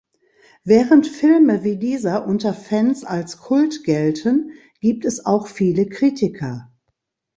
Während Filme wie dieser unter Fans als Kult gelten, gibt es auch viele Kritiker.